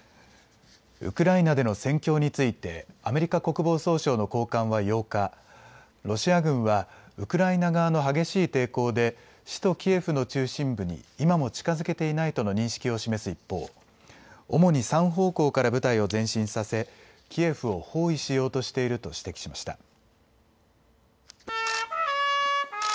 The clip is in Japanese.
ウクライナでの戦況についてアメリカ国防総省の高官は８日、ロシア軍はウクライナ側の激しい抵抗で首都キエフの中心部に今も近づけていないとの認識を示す一方、主に３方向から部隊を前進させキエフを包囲しようとしていると指摘しました。